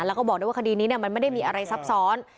แล้วก็บอกด้วยว่าคดีนี้มันไม่ได้มีอะไรซับซ้อน